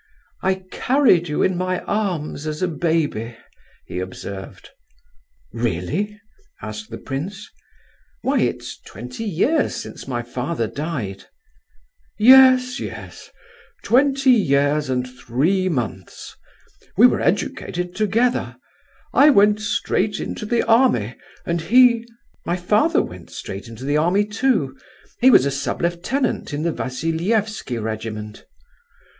"I carried you in my arms as a baby," he observed. "Really?" asked the prince. "Why, it's twenty years since my father died." "Yes, yes—twenty years and three months. We were educated together; I went straight into the army, and he—" "My father went into the army, too. He was a sub lieutenant in the Vasiliefsky regiment."